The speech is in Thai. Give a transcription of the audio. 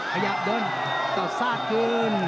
ขยับโดนก็ซากขึ้น